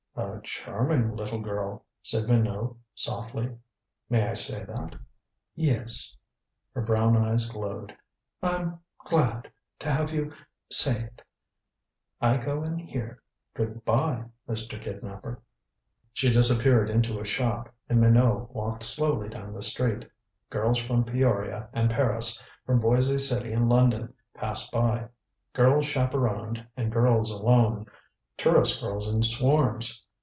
"A charming little girl," said Minot softly. "May I say that?" "Yes " Her brown eyes glowed. "I'm glad to have you say it. I go in here. Good by Mr. Kidnaper." She disappeared into a shop, and Minot walked slowly down the street. Girls from Peoria and Paris, from Boise City and London, passed by. Girls chaperoned and girls alone tourist girls in swarms.